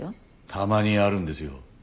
たまにあるんですよ。